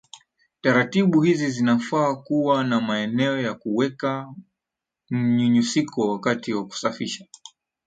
Taratibu hizi zinafaa kuwa na maeneo ya kuweka mnyunyusiko wakati wa kusafisha